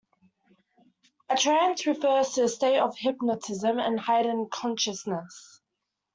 A trance refers to a state of hypnotism and heightened consciousness.